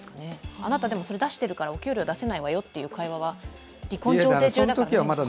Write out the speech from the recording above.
あなた、でもそれ出してるからお給料出せないわ世という会話は離婚調停中だから難しいのかしら。